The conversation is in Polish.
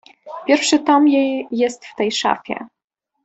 "Pierwszy tom jej jest w tej szafie."